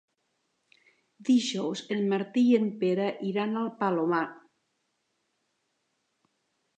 Dijous en Martí i en Pere iran al Palomar.